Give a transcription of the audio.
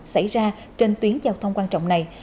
xảy ra trên tuyến giao thông quan trọng này